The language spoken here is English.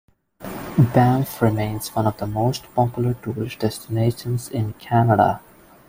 Banff remains one of the most popular tourist destinations in Canada.